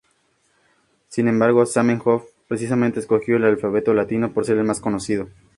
Sin embargo, Zamenhof precisamente escogió el alfabeto latino por ser el más conocido.